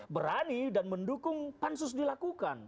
berani dan mendukung pansus dilakukan